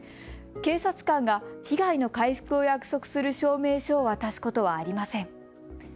警察官が被害の回復を約束する証明書を渡すことはありません。